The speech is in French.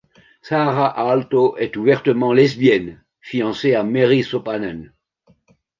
Saara Aalto est ouvertement lesbienne, fiancée à Meri Sopanen.